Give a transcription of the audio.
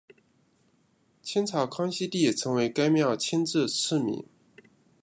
清朝康熙帝曾为该庙亲自赐名。